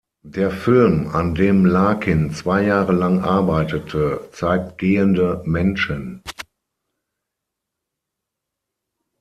Der Film, an dem Larkin zwei Jahre lang arbeitete, zeigt gehende Menschen.